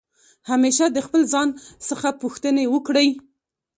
همېشه د خپل ځان څخه پوښتني وکړئ.